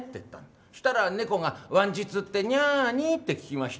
そしたら、猫がワン日ってニャーに？って聞きました。